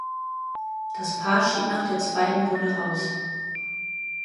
Das Paar schied nach der zweiten Runde aus.